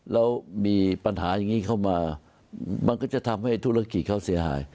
แล้วมีปัญหาอย่างนี้เข้ามามันก็จะทำให้ธุรกิจเขาเสียหาย